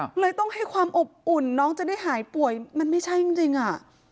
ก็เลยต้องให้ความอบอุ่นน้องจะได้หายป่วยมันไม่ใช่จริงอ่ะ